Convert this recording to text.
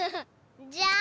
じゃん！